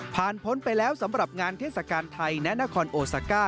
พ้นไปแล้วสำหรับงานเทศกาลไทยและนครโอซาก้า